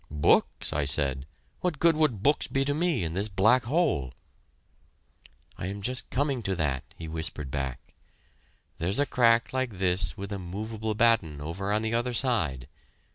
"Books!" I said. "What good would books be to me in this black hole?" "I am just coming to that," he whispered back; "there's a crack like this with a movable batten over on the other side.